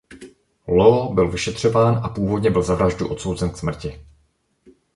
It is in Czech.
Law byl vyšetřován a původně byl za vraždu odsouzen k smrti.